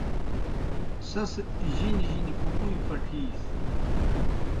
سیْس جِنیْ جِنیْ کُکُوئیں پٹِھیسیْ۔